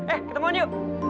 eh ketemu nyu